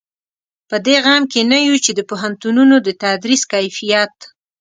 په دې غم کې نه یو چې د پوهنتونونو د تدریس کیفیت.